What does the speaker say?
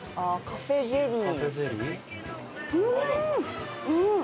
カフェゼリー？